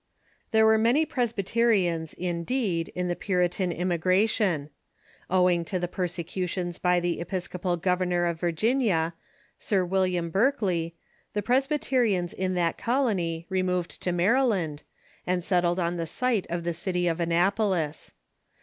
There were many Presbyteri ans, indeed, in the Puritan immigration. Owing to the persecu tions by the Episcopal governor of Virginia, Sir "William Berke ley, the Presbyterians in that colony removed to Maryland, and settled on the site of the city of Annapolis.